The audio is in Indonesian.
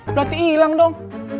berarti ilang dong